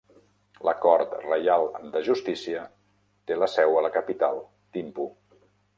La Cort Reial de Justícia té la seu a la capital Thimphu.